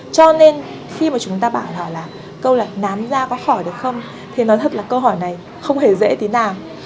cho nên khi mà chúng ta bảo là câu là nám da có khỏi được không thì nói thật là câu hỏi này không hề dễ tí nào